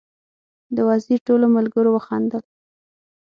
د وزیر ټولو ملګرو وخندل.